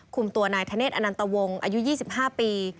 คุมตัวนายธเนธอนันตวงอายุ๒๕ปี